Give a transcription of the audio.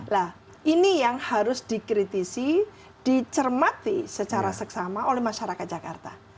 nah ini yang harus dikritisi dicermati secara seksama oleh masyarakat jakarta